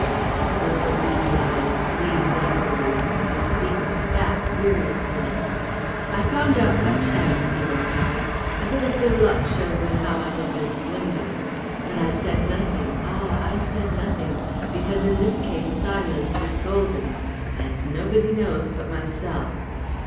The little beady eyes gleamed angrily, the speaker spat furiously. "I found out by chance," he went on. "A bit of good luck showed me how I had been swindled. But I said nothing ah, I said nothing, because in this case silence is golden! And nobody knows but myself.